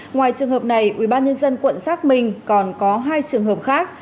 ngoài trường hợp này ubnd quận xác minh còn có hai trường hợp khác